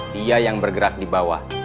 dia yang bergerak di bawah